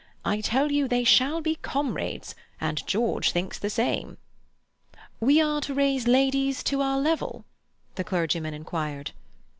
I tell you they shall be comrades, and George thinks the same." "We are to raise ladies to our level?" the clergyman inquired.